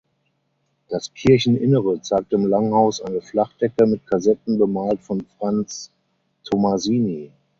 Das Kircheninnere zeigt im Langhaus eine Flachdecke mit Kassetten bemalt von Franz Tomasini.